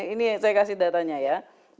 ini saya kasih datanya ya